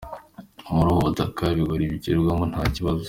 Muri ubu butaka ibigori byakweramo nta kibazo.